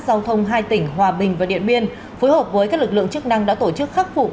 giao thông hai tỉnh hòa bình và điện biên phối hợp với các lực lượng chức năng đã tổ chức khắc phục